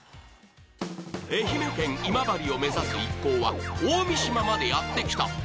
愛媛県今治を目指す一行は大三島までやってきた。